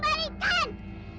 dia sudah menang